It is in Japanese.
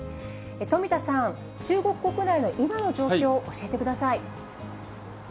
富田さん、中国国内の今の状況、教えてください。